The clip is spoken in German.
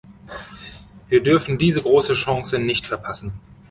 Wir dürfen diese große Chance nicht verpassen.